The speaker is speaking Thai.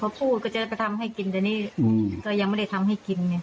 พอพูดก็จะไปทำให้กินแต่นี่อืมก็ยังไม่ได้ทำให้กินเนี้ย